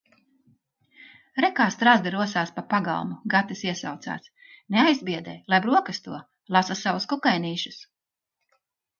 "Re, kā strazdi rosās pa pagalmu!" Gatis iesaucās. Neaizbiedē, lai brokasto, lasa savus kukainīšus.